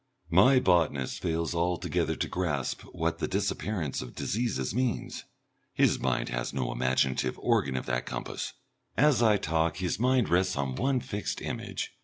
My botanist fails altogether to grasp what the disappearance of diseases means. His mind has no imaginative organ of that compass. As I talk his mind rests on one fixed image.